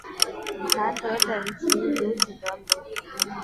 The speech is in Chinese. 南德等即如此得名。